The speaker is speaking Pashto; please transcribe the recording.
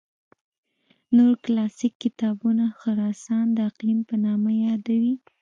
نور کلاسیک کتابونه خراسان د اقلیم په نامه یادوي.